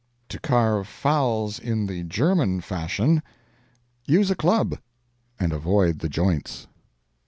TO CARVE FOWLS IN THE GERMAN FASHION Use a club, and avoid the joints.